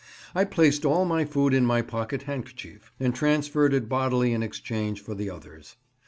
I placed all my food in my pocket handkerchief, and transferred it bodily in exchange for the others'.